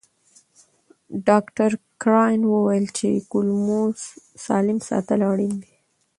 ډاکټر کراین وویل چې کولمو سالم ساتل اړین دي.